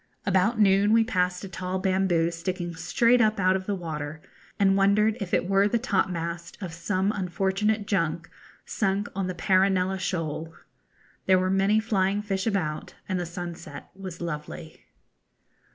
About noon we passed a tall bamboo sticking straight up out of the water, and wondered if it were the topmast of some unfortunate junk sunk on the Paranella Shoal. There were many flying fish about, and the sunset was lovely.